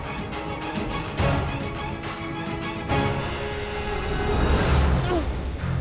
kau akan menang